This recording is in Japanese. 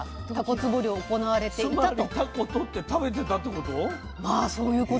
つまりタコとって食べてたってこと？